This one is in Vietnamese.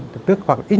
hoặc ít nhất phải đến